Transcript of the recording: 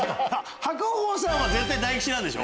白鵬さんは絶対大吉なんでしょ？